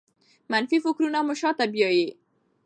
منفي فکرونه مو شاته بیايي.